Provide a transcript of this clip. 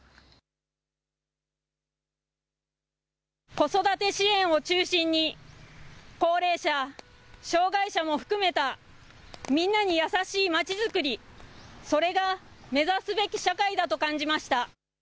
子育て支援を中心に高齢者、障害者も含めたみんなに優しいまちづくり、それが目指すべき社会だと感じました。